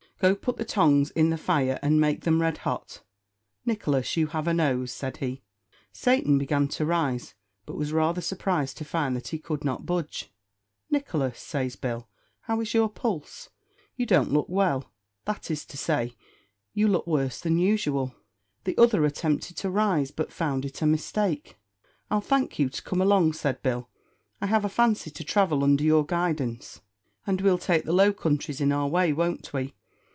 Go put the tongs in the fire, and make them red hot. Nicholas, you have a nose," said he. Satan began to rise, but was rather surprised to find that he could not budge. "Nicholas," says Bill, "how is your pulse? you don't look well; that is to say, you look worse than usual." The other attempted to rise, but found it a mistake. "I'll thank you to come along," said Bill. "I have a fancy to travel under your guidance, and we'll take the Low Countries in our way, won't we?